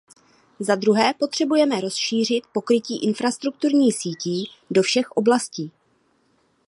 Zadruhé, potřebujeme rozšířit pokrytí infrastrukturní sítí do všech oblastí.